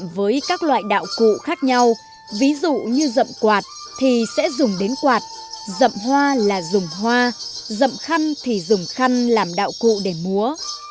với các loại đạo cụ khác nhau ví dụ như dậm quạt thì sẽ dùng đến quạt dậm hoa là dùng hoa dậm khăn thì dùng khăn làm đạo cụ để múa